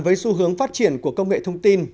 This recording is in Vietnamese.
với xu hướng phát triển của công nghệ thông tin